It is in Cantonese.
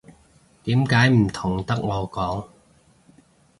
點解唔同得我講